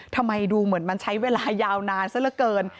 ทำไมดูเหมือนมันใช้เวลายาวนานซะละเกิน